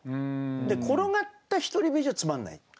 で「ころがった一人部屋」じゃつまんない。